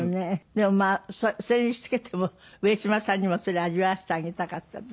でもまあそれにつけても上島さんにもそれを味わわせてあげたかったね。